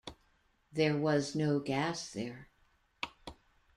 There was no gas there.